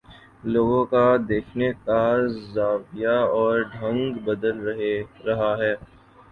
لوگوں کا دیکھنے کا زاویہ اور ڈھنگ بدل رہا ہے